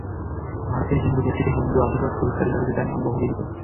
ভারতের হিন্দু গোষ্ঠীতে হিন্দু আধিপত্য বিস্তারের দাবিতে তাঁর নাম বহু বিদিত।